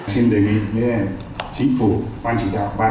xin đề nghị chính phủ quan chỉ đạo